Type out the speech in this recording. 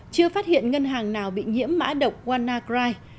chưa phát hiện ngân hàng nào bị nhiễm mã độc wanacry